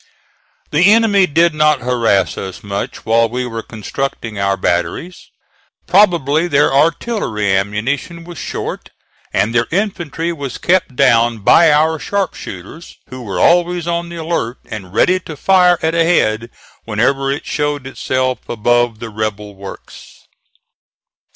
The enemy did not harass us much while we were constructing our batteries. Probably their artillery ammunition was short; and their infantry was kept down by our sharpshooters, who were always on the alert and ready to fire at a head whenever it showed itself above the rebel works.